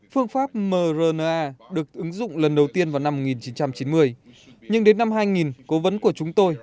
phương pháp mrna được ứng dụng lần đầu tiên vào năm một nghìn chín trăm chín mươi nhưng đến năm hai nghìn cố vấn của chúng tôi